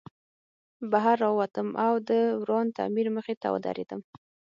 بهر راووتم او د وران تعمیر مخې ته ودرېدم